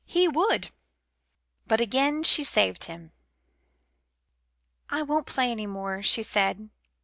He would But again she saved him. "I won't play any more," she said.